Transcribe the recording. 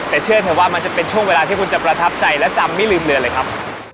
แต่เชื่อเถอะว่ามันจะเป็นช่วงเวลาที่คุณจะประทับใจและจำไม่ลืมเรือนเลยครับ